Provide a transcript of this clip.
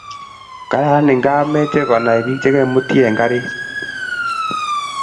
kararan ingaa meche konay biik chegemutii eng karitt